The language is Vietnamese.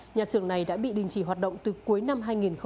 nhà xưởng này đã bị đình chỉ hoạt động từ cuối năm hai nghìn hai mươi hai